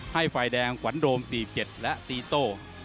ให้ไฟแดงหวันโดม๔๗และตีโต้๔๙